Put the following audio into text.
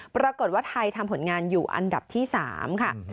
ปรากฏว่าไทยทำผลงานอยู่อันดับที่๓ค่ะ